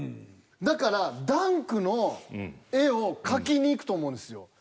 だからダンクの絵を描きにいくと思うんですよ。